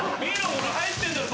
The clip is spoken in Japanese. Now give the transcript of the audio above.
ほら入ってんだろ